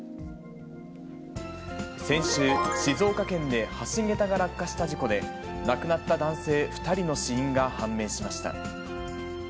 先週、静岡県で橋桁が落下した事故で、亡くなった男性２人の死因が判明しました。